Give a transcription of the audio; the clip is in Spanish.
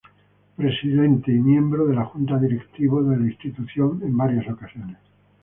Presidente y miembro de la junta directiva de la institución en varias ocasiones.